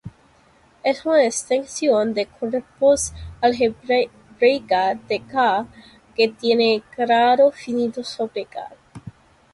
Es una extensión de cuerpos algebraica de "K" que tiene grado finito sobre "K".